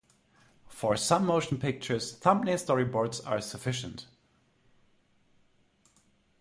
For some motion pictures, thumbnail storyboards are sufficient.